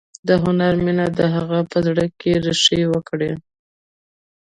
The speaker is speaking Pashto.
د هنر مینه د هغه په زړه کې ریښې وکړې